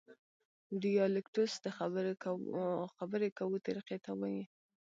ډیالکټوس د خبري کوو طریقې ته وایي.